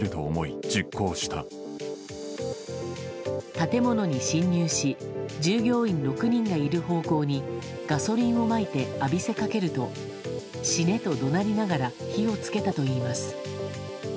建物に侵入し従業員６人がいる方向にガソリンをまいて浴びせかけると死ねと怒鳴りながら火を付けたといいます。